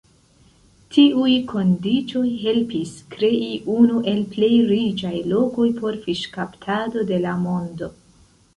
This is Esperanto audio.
Tiuj kondiĉoj helpis krei unu el plej riĉaj lokoj por fiŝkaptado de la mondo.